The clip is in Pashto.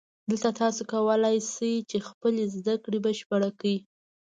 دلته تاسو کولای شئ چې خپلې زده کړې بشپړې کړئ